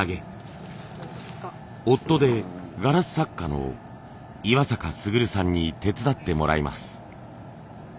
夫でガラス作家の岩坂卓さんに手伝ってもらいます。